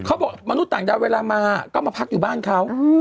มนุษย์ต่างดาวเวลามาก็มาพักอยู่บ้านเขา